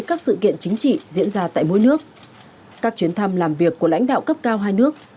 các sự kiện chính trị diễn ra tại mỗi nước các chuyến thăm làm việc của lãnh đạo cấp cao hai nước